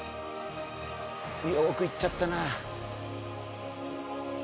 おく行っちゃったなあ。